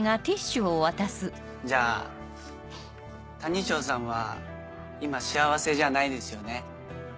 じゃあ谷ショーさんは今幸せじゃないですよね。